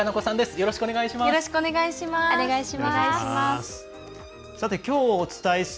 よろしくお願いします。